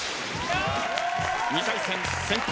２回戦先攻。